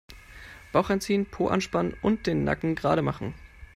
Bauch einziehen, Po anspannen und den Nacken gerade machen.